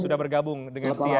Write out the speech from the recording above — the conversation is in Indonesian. sudah bergabung dengan kita